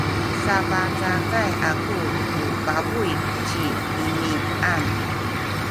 sapacakay aku ku pabuy ci Imian.